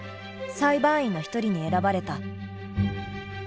裁判員の一人に選ばれた。